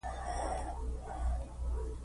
نږدې ماضي لکه زه ورغلی یم او دا راغلې ده.